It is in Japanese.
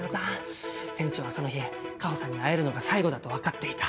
店長はその日果帆さんに会えるのが最後だと分かっていた。